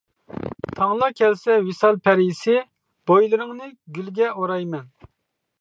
تاڭلا كەلسە ۋىسال پەرىسى، بويلىرىڭنى گۈلگە ئورايمەن.